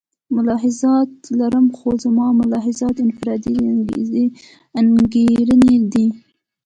ملاحظات لرم خو زما ملاحظات انفرادي انګېرنې دي.